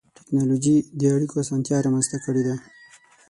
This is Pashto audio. ټکنالوجي د اړیکو اسانتیا رامنځته کړې ده.